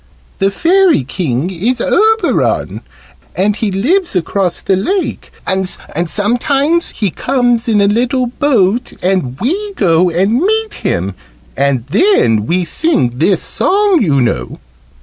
"The Fairy King is Oberon, and he lives across the lake and sometimes he comes in a little boat and we go and meet him and then we sing this song, you know."